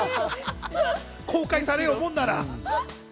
公開されようものなら？